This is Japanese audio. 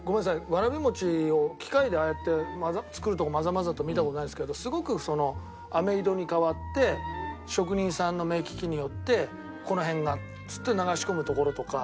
わらび餅を機械でああやって作るとこまざまざと見た事ないですけどすごく飴色に変わって職人さんの目利きによって「この辺が」っつって流し込むところとか。